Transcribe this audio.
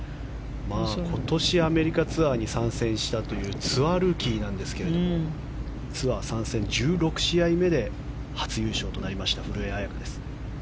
今年アメリカツアーに参戦したというツアールーキーなんですがツアー参戦１６試合目で初優勝となりました古江彩佳です。